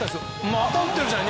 また打ってるじゃない！